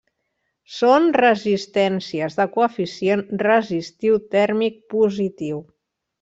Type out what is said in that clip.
Són resistències de coeficient resistiu tèrmic positiu.